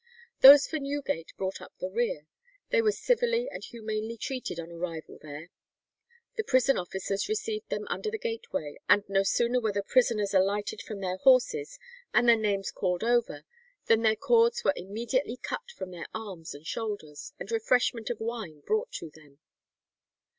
Those for Newgate brought up the rear. They were civilly and humanely treated on arrival there. The prison officers received them under the gateway, and no sooner were the prisoners alighted from their horses and their names called over, than their cords were immediately cut from their arms and shoulders, and refreshment of wine brought to them.